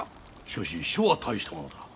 しかし書は大したものだ。